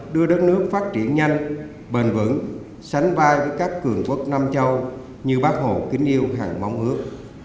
đưa đất nước phát triển nhanh bền vững sánh vai với các cường quốc nam châu như bác hồ kính yêu hàng mong ước